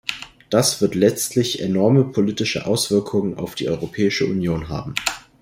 Das wird letztlich enorme politische Auswirkungen auf die Europäische Union haben.